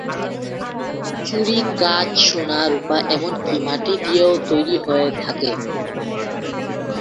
চুড়ি কাচ, সোনা, রূপা এমনকি মাটি দিয়েও তৈরি হয়ে থাকে।